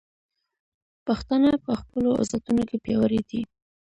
پښتانه په خپلو عزتونو کې پیاوړي دي.